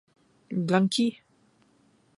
Blanqui!